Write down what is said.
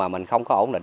mình không có ổn định